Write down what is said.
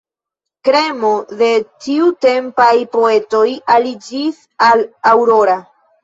Kremo de tiutempaj poetoj aliĝis al Aurora.